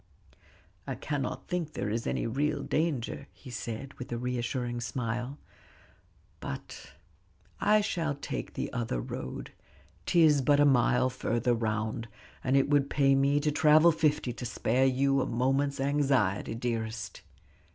"I cannot think there is any real danger," he said, with a reassuring smile, "but I shall take the other road; 'tis but a mile further round, and it would pay me to travel fifty to spare you a moment's anxiety, dearest."